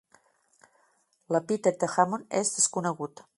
L'epítet d'Hammon és desconegut.